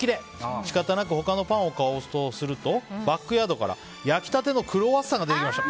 仕方なく他のパンを買おうとするとバックヤードから焼きたてのクロワッサンが出てきました。